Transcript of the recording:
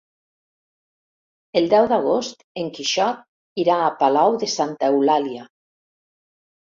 El deu d'agost en Quixot irà a Palau de Santa Eulàlia.